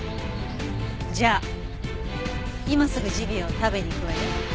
じゃあ今すぐジビエを食べに行くわよ。